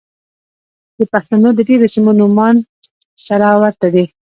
د پښتنو د ډېرو سيمو نومان سره ورته دي.